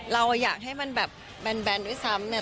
เราอยากให้มันแบบแบนด้วยซ้ำเนี่ย